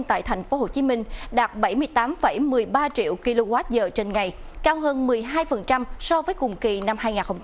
tại tp hcm đạt bảy mươi tám một mươi ba triệu kwh trên ngày cao hơn một mươi hai so với cùng kỳ năm hai nghìn hai mươi ba